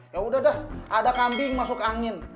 ya udah deh ada kambing masuk angin